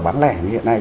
bán lẻ như hiện nay